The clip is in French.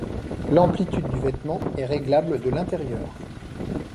L'amplitude du vêtement est réglable de l'intérieur.